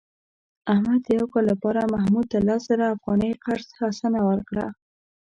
احمد د یو کال لپاره محمود ته لس زره افغانۍ قرض حسنه ورکړه.